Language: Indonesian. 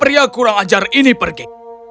harun kau tak kurang ajar ini pergi